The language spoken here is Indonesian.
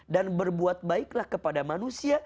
dan berbuat baiklah kepada manusia